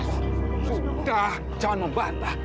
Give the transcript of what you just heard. sudah jangan membahas pak